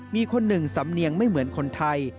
มีคนหนึ่งสำเนียงไม่เหมือนคนไทย